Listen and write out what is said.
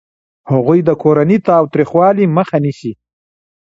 هغوی د کورني تاوتریخوالي مخه نیسي.